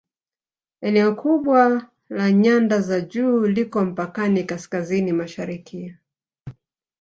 Eneo kubwa la nyanda za juu liko mpakani Kaskazini Mashariki